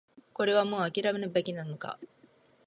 これはもう諦めるべきなのか